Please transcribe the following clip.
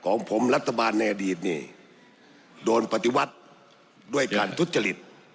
ของผมรัฐบาลในอดีตนี่โดนปฏิวัติด้วยการทุจริต